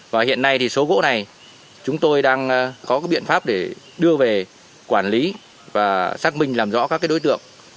và hiện nay thì số gỗ này chúng tôi đang có biện pháp để đưa về quản lý và xác minh làm rõ các đối tượng